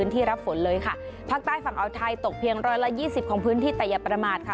ที่รับฝนเลยค่ะภาคใต้ฝั่งอาวไทยตกเพียงร้อยละยี่สิบของพื้นที่แต่อย่าประมาทค่ะ